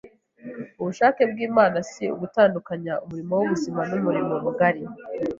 Ubushake bw’Imana si ugutandukanya umurimo w’ubuzima n’umurimo mugari